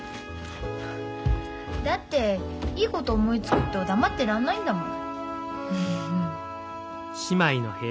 だっていいこと思いつくと黙ってらんないんだもん。